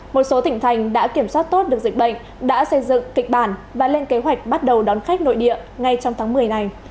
một số tỉnh thành đã kiểm soát tốt được dịch bệnh đã xây dựng kịch bản và lên kế hoạch bắt đầu đón khách nội địa ngay trong tháng một mươi này